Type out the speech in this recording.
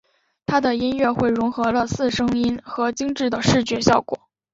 他的音乐会融合了四声音和精致的视觉效果。